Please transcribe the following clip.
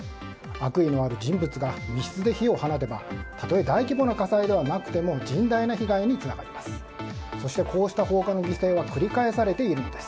悪意のある人物が密室で火を放てばたとえ大規模な火災でなくても甚大な被害につながります。